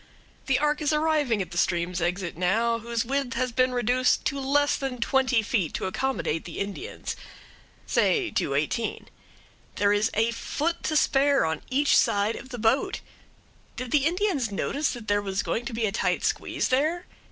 The ark is arriving at the stream's exit now, whose width has been reduced to less than twenty feet to accommodate the Indians say to eighteen. There is a foot to spare on each side of the boat. Did the Indians notice that there was going to be a tight squeeze there?